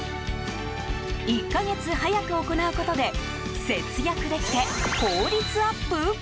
１か月早く行うことで節約できて効率アップ？